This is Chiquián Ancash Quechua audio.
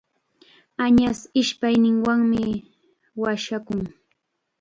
Añas ishpayninwanmi washakun.